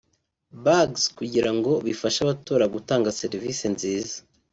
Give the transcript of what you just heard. Bags) kugira ngo bifashe abatora gutanga serivisi nziza